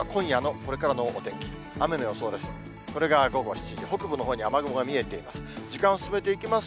これが午後７時、北部のほうに雨雲が見えています。